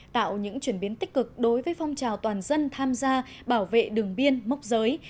tạo những chuyển biến tích cực đối với phong trào toàn dân tham gia bảo vệ đường biên mốc giới